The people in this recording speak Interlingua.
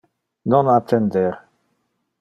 Non attender.